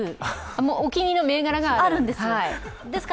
もうお気に入りの銘柄があるんですか？